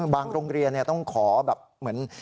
บางโรงเรียนเนี่ยต้องขอแบบเหมือน